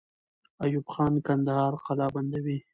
ایوب خان کندهار قلابندوي.